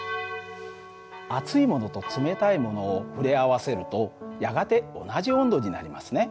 熱いものと冷たいものを触れ合わせるとやがて同じ温度になりますね。